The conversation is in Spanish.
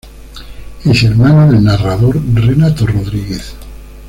Es hermana del narrador Renato Rodríguez.